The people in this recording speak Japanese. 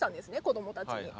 子どもたちに。